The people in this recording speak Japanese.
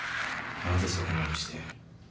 なぜそこまでして？